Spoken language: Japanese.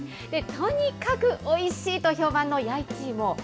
とにかくおいしいと評判の弥一芋。